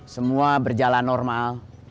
semua berjalan normal